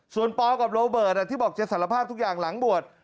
ส่วนปกับโรเบิร์ตที่บอกจะสารภาพทุกอย่างหลังบวช